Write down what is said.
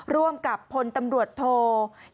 ร่วมกับพลตำรวจโท